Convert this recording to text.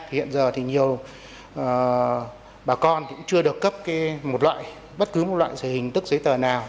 hiện giờ thì nhiều bà con cũng chưa được cấp một loại bất cứ một loại giấy tờ nào